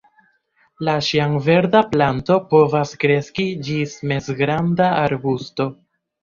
La ĉiamverda planto povas kreski ĝis mezgranda arbusto.